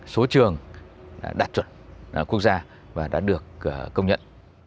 số trường đạt chuẩn quốc gia và đã được công nhận